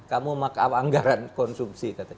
kamu anggaran konsumsi